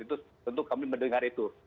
itu tentu kami mendengar itu